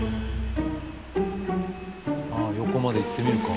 横まで行ってみるか。